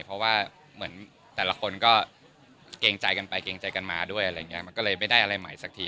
เพราะว่าเหมือนแต่ละคนก็เกรงใจกันไปเกรงใจกันมาด้วยอะไรอย่างนี้มันก็เลยไม่ได้อะไรใหม่สักที